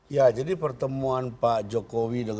ya jadi pertemuan pak jokowi